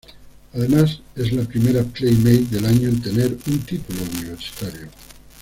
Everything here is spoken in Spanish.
Además es la primera Playmate del año en tener un título universitario.